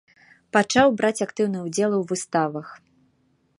Пачаў браць актыўны ўдзел у выставах.